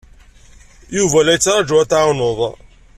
Yuba la yettṛaju ad t-tɛawneḍ.